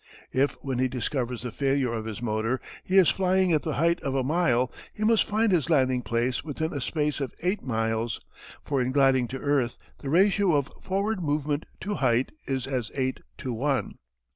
If, when he discovers the failure of his motor, he is flying at the height of a mile he must find his landing place within a space of eight miles, for in gliding to earth the ratio of forward movement to height is as eight to one.